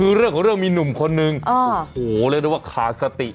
คือเรื่องของเรื่องมีหนุ่มคนนึงโอ้โหเรียกได้ว่าขาดสติ